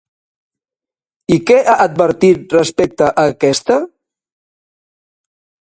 I què ha advertit respecte a aquesta?